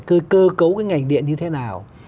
cơ cấu cái ngành điện như thế nào